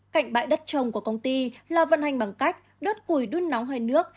cạnh bãi đất trồng của công ty lò vận hành bằng cách đớt củi đun nóng hơi nước